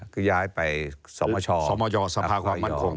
ก็ยายไปสมาชอสมาชอสภาความมันภง